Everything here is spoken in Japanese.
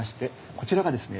こちらがですね